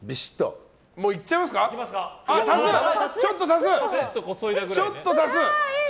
あ、ちょっと足す！